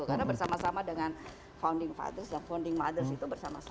karena bersama sama dengan founding fathers dan founding mothers itu bersama sama